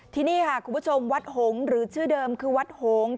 ที่นี่ค่ะคุณผู้ชมวัดหงษ์หรือชื่อเดิมคือวัดหง